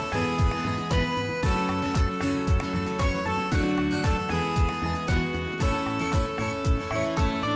คุณใครที่เสียงหมดครับว๊าวหนะ